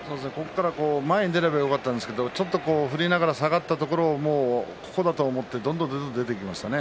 前に出ればよかったんですがちょっと振りながら下がったところをここだと思ってどんどん前に出ていきましたね。